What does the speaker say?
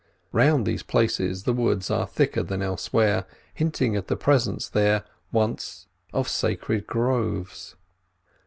Round these places the woods are thicker than elsewhere, hinting at the presence there, once, of sacred groves.